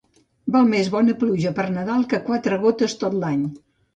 Val més bona pluja per Nadal que quatre gotes tot l'any.